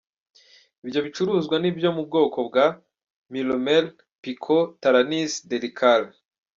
Ibyo bicururuzwa ni ibyo mu bwoko bwa Milumel, Picot, Taranis, Delical.